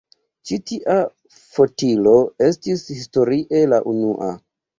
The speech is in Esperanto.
Ĉi tia fotilo estis historie la unua.